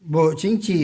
bộ chính trị